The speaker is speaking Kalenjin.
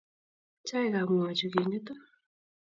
Chaikab ng'o chu king'etu?